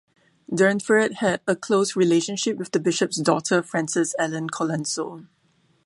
Durnford had a close relationship with the bishop's daughter Frances Ellen Colenso.